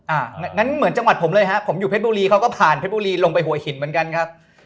อย่างนั้นเหมือนจังหวัดผมเลยฮะผมอยู่เพชรบุรีเขาก็ผ่านเพชรบุรีลงไปหัวหินเหมือนกันครับ